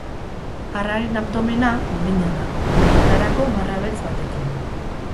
Arraren abdomena urdina da, luzetarako marra beltz batekin.